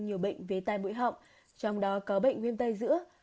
có nhiều bệnh về tai bụi họng trong đó có bệnh viêm tay giữa